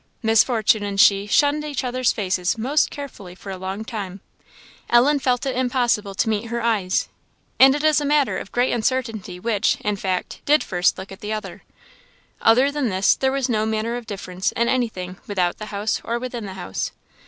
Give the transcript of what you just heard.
Miss Fortune and she shunned each other's faces most carefully for a long time Ellen felt it impossible to meet her eyes; and it is a matter of great uncertainty which, in fact, did first look at the other. Other than this there was no manner of difference in anything without or within the house.